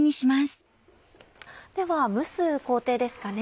では蒸す工程ですかね。